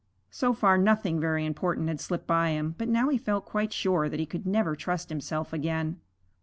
So far nothing very important had slipped by him, but now he felt quite sure that he could never trust himself again.